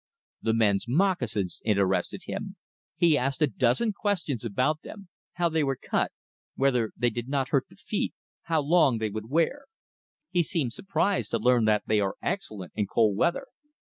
The men's moccasins interested him. He asked a dozen questions about them, how they were cut, whether they did not hurt the feet, how long they would wear. He seemed surprised to learn that they are excellent in cold weather.